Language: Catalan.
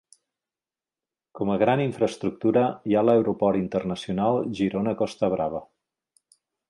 Com a gran infraestructura hi ha l'aeroport Internacional Girona Costa Brava.